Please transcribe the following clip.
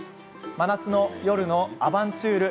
真夏の夜のアバンチュール！